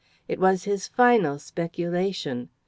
It was his final speculation.